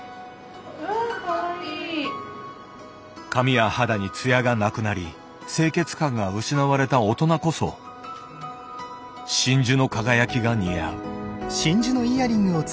髪や肌に艶がなくなり清潔感が失われた大人こそ真珠の輝きが似合う。